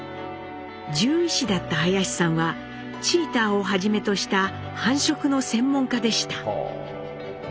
獣医師だった林さんはチーターをはじめとした繁殖の専門家でした。